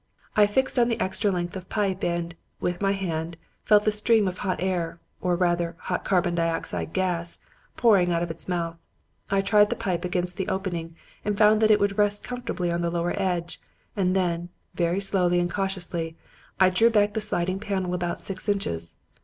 I fixed on the extra length of pipe and, with my hand, felt the stream of hot air or rather hot carbon dioxide gas pouring out of its mouth. I tried the pipe against the opening and found that it would rest comfortably on the lower edge; and then, very slowly and cautiously, I drew back the sliding panel about six inches.